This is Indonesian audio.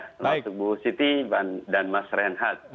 termasuk bu siti dan mas renhat